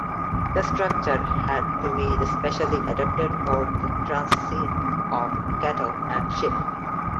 The structure had to be specially adapted for the transit of cattle and sheep.